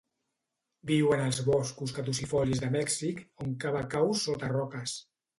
Viu en els boscos caducifolis de Mèxic, on cava caus sota roques.